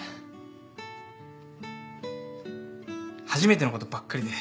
初めてのことばっかりで。